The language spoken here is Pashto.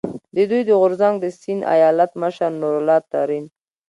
د دوی د غورځنګ د سیند ایالت مشر نور الله ترین،